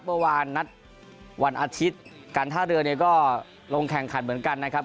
เมื่อวานนัดวันอาทิตย์การท่าเรือเนี่ยก็ลงแข่งขันเหมือนกันนะครับ